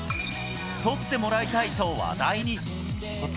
撮ってもらいたいと話題に。